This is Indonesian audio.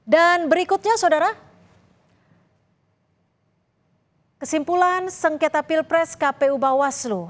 dan berikutnya saudara kesimpulan sengketa pilpres kpu bawaslu